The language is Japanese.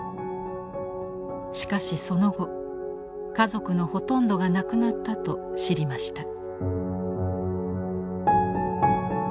しかしその後家族のほとんどが亡くなったと知りました。